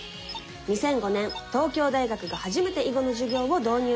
２００５年東京大学が初めて囲碁の授業を導入。